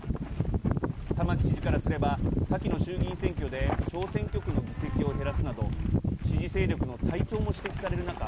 玉城知事からすれば先の衆議院選挙で小選挙区の議席を減らすなど支持勢力の退潮も指摘される中